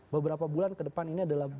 beberapa bulan ke depan ini adalah